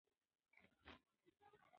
هغه د واک تر پای انسان پاتې شو.